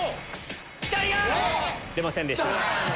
出ませんでした。